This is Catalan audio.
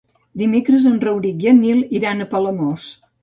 Dimecres en Rauric i en Nil iran a Palamós.